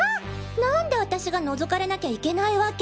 何で私が覗かれなきゃいけないワケ？